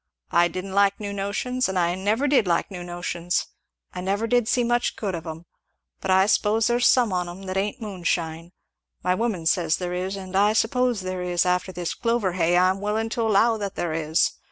I didn't like new notions and I never did like new notions! and I never see much good of 'em; but I suppose there's some on 'em that ain't moon shine my woman says there is, and I suppose there is, and after this clover hay I'm willin' to allow that there is!